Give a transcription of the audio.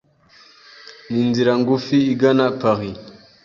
Ninzira ngufi igana Paris.